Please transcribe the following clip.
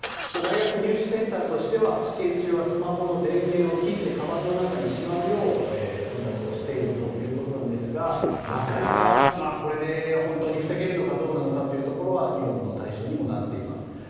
大学入試センターとしては試験中はスマホの電源を切ってかばんの中にしまうよう通達をしているということですがなかなかこれで本当に防げるのかどうなのかというのは議論の対象にもなっています。